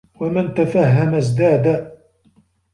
وَمَنْ تَفَهَّمَ ازْدَادَ